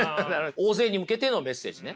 大勢に向けてのメッセージね。